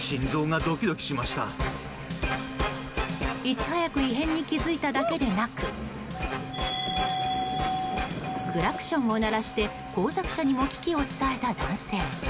いち早く異変に気付いただけでなくクラクションを鳴らして後続車にも危機を伝えた男性。